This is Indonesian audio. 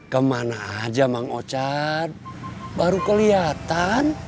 kemana aja bang ocat baru kelihatan